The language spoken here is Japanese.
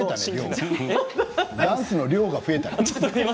ダンスの量が増えた。